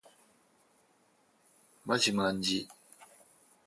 まじまんじ